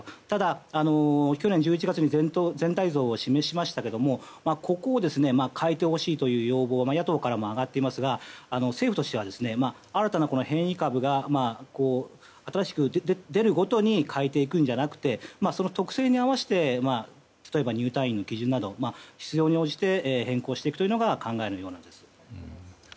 ただ、去年１１月に全体像を示しましたけれどここを変えてほしいという要望が野党からも上がっていますが政府としては、新たな変異株が新しく出るごとに変えていくのではなくて特性に合わせて例えば入退院の基準など必要に応じて変更していくというのが考えのようです。